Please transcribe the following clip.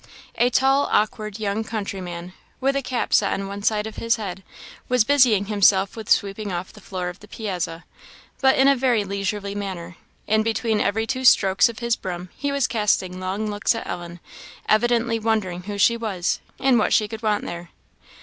A tall awkward young countryman, with a cap set on one side of his head, was busying himself with sweeping off the floor of the piazza, but in a very leisurely manner; and between every two strokes of his broom he was casting long looks at Ellen, evidently wondering who she was, and what she could want there.